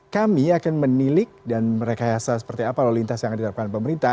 kami akan menilik dan merekayasa seperti apa lalu lintas yang akan diterapkan pemerintah